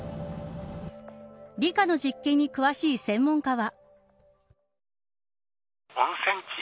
理科の実験に詳しい専門家は。